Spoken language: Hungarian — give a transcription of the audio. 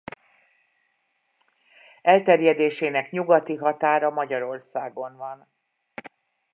Elterjedésének nyugati határa Magyarországon van.